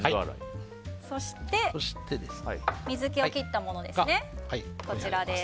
そして水気を切ったものがこちらです。